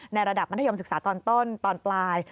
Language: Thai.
ระดับมัธยมศึกษาตอนต้นตอนปลาย